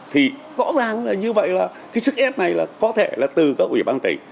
thì rõ ràng là như vậy là cái sức ép này là có thể là từ các ủy ban tỉnh